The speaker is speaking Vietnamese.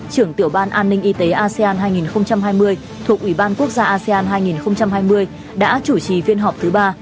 trưởng tiểu ban an ninh y tế asean hai nghìn hai mươi thuộc ủy ban quốc gia asean hai nghìn hai mươi đã chủ trì phiên họp thứ ba